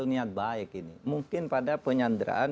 niat baik ini mungkin pada penyanderaan